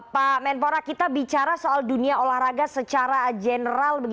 pak menpora kita bicara soal dunia olahraga secara general